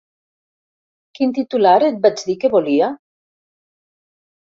Quin titular et vaig dir que volia?